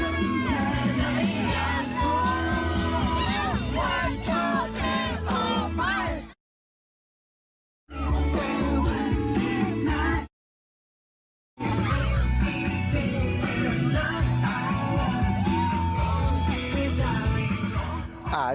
วันเช้าเทพาะไป